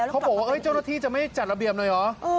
เขาบอกว่าเจ้าหน้าที่จะไม่จัดระเบียบหน่อยเหรอ